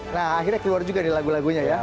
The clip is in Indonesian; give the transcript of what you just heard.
nah akhirnya keluar juga nih lagu lagunya ya